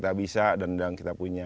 saya bisa hidup dari tanah yang saya punya